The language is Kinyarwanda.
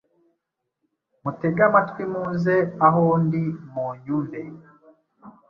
Mutege amatwi, muze aho ndi, munyumve,